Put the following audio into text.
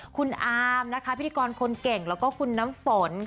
คุณอาร์มพิธีกรคนเก่งและคุณน้ำฝน